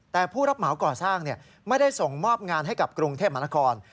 แต่ผู้รับเหมาก่อสร้างไม่ได้ส่งมอบงานให้กับกรุงเทพมหานคร